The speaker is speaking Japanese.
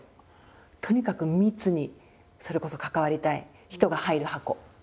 とにかく密にそれこそ関わりたい人が入る箱。